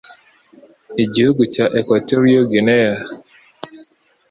Igihugu cya Equatorial Guinea